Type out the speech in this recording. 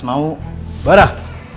aku mau ke rumah